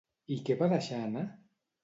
I què va deixar anar?